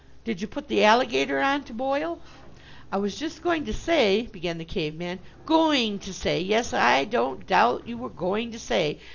Did you put the alligator on to boil?" "I was just going to say " began the Cave man. "Going to say! Yes, I don't doubt you were going to say.